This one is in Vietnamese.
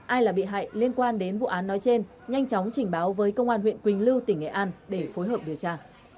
ai là bị hại liên quan đến vụ án nói trên nhanh chóng trình báo với công an huyện quỳnh lưu tỉnh nghệ an để phối hợp điều tra